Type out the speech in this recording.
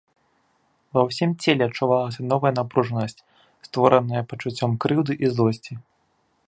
Ва ўсім целе адчувалася новая напружанасць, створаная пачуццём крыўды і злосці.